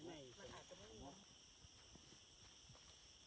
ไม่เอาแต่แบบนี้